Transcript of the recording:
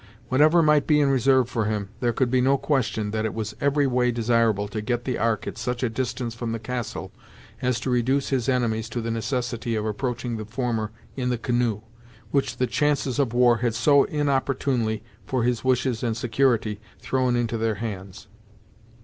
Whatever might be in reserve for him, there could be no question that it was every way desirable to get the Ark at such a distance from the castle as to reduce his enemies to the necessity of approaching the former in the canoe, which the chances of war had so inopportunely, for his wishes and security, thrown into their hands.